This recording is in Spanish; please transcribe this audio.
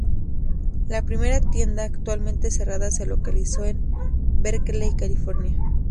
La primera tienda, actualmente cerrada, se localizó en Berkeley, California.